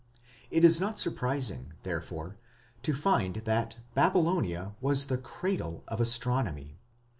It is not surprising, therefore, to find that Babylonia was the cradle of astronomy.